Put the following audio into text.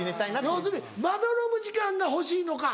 要するにまどろむ時間が欲しいのか。